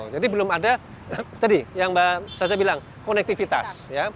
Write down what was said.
jadi belum ada tadi yang saya bilang konektifitas